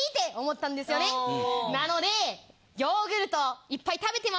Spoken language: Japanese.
なのでヨーグルトをいっぱい食べてます